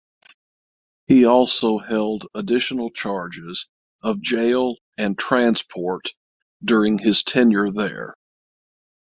He also held additional charges of jail and transport during his tenure there.